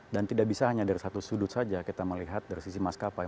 dan tidak bisa hanya dari satu sudut saja kita melihat dari sisi maskapai